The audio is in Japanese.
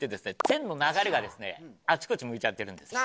線の流れがあちこち向いちゃってるんです